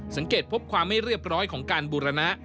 สังเกตพบความไม่เรียบร้อยของการบูรณะ